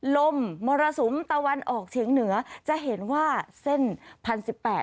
ลมมรสุมตะวันออกเฉียงเหนือจะเห็นว่าเส้นพันสิบแปด